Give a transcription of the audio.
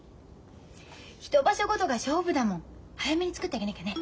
一場所ごとが勝負だもん早めに作ってあげなきゃね。